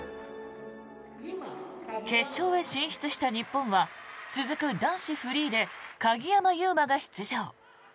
決勝へ進出した日本は続く男子フリーで鍵山優真が出場。